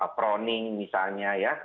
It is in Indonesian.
proning misalnya ya